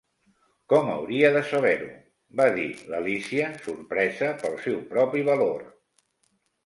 "Com hauria de saber-ho?" va dir l'Alícia, sorpresa pel seu propi valor.